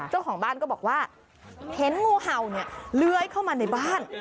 เจ้าของบ้านก็บอกว่าเห็นงูเห่าเนี่ยเลื้อยเข้ามาในบ้าน